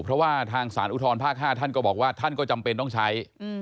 เพราะว่าทางสารอุทธรภาค๕ท่านก็บอกว่าท่านก็จำเป็นต้องใช้